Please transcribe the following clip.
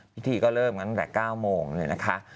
พิธีก็เริ่มตั้งแต่๙โมงเลยนะคะ